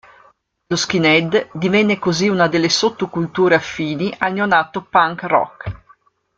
Lo skinhead divenne così una delle sottoculture affini al neonato punk rock.